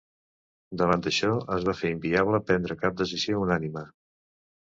Davant d’això, es va fer inviable prendre cap decisió unànime.